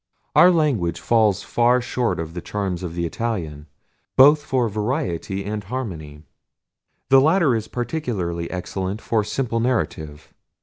Our language falls far short of the charms of the Italian, both for variety and harmony. The latter is peculiarly excellent for simple narrative.